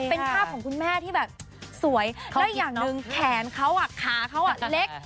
เป็นภาพของคุณแม่ที่แบบสวยและอย่างหนึ่งแขนเขาขาเขาเล็ก